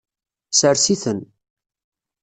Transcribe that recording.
Sers-iten.